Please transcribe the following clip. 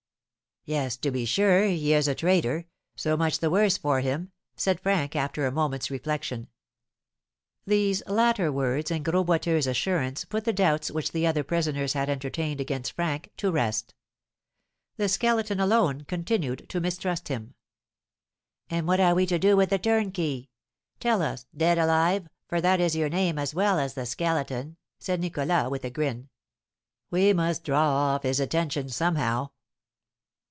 "Yes, to be sure, he is a traitor, so much the worse for him," said Frank, after a moment's reflection. These latter words, and Gros Boiteux's assurance, put the doubts which the other prisoners had entertained against Frank to rest. The Skeleton alone continued to mistrust him. "And what are we to do with the turnkey? Tell us, Dead Alive, for that is your name as well as the Skeleton," said Nicholas, with a grin. "We must draw off his attention somehow."